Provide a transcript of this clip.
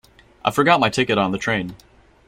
I forgot my ticket on the train.